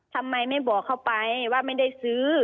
ทำไมไม่บอกเขาไปว่าไม่ได้ซื้อ